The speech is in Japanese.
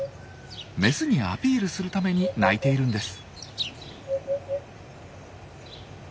メスにアピールするために鳴いているんです。